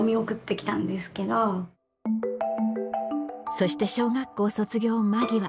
そして小学校卒業間際。